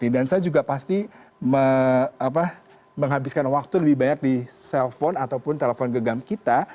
dan saya juga pasti menghabiskan waktu lebih banyak di cell phone ataupun telepon gegam kita